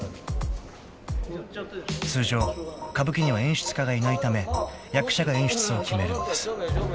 ［通常歌舞伎には演出家がいないため役者が演出を決めるのです］